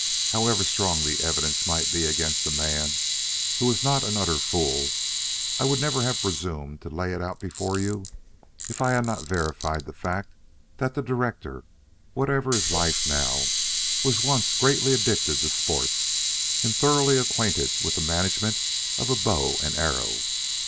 However strong the evidence might be against a man who was not an utter fool, I would never have presumed to lay it out before you if I had not verified the fact that the director, whatever his life now, was once greatly addicted to sports, and thoroughly acquainted with the management of a bow and arrow.